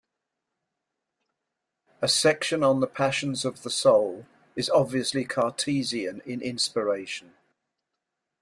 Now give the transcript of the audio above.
A section on the passions of the soul is obviously Cartesian in inspiration.